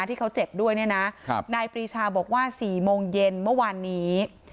ที่เขาเจ็บด้วยเนี่ยนะนายปรีชาบอกว่า๔โมงเย็นเมื่อวานนี้